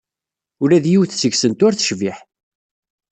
Ula d yiwet seg-sent ur tecbiḥ.